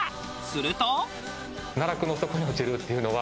すると。